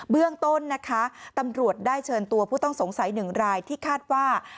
เรื่องต้นนะคะตำรวจได้เชิญตัวผู้ต้องสงสัยหนึ่งรายที่คาดว่า